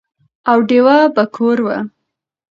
او ډېوه به کور وه،